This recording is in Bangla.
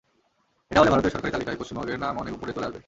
এটা হলে ভারতের সরকারি তালিকায় পশ্চিমবঙ্গের নাম অনেক ওপরে চলে আসবে।